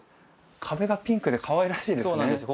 壁がピンクでかわいらしいですねそうなんです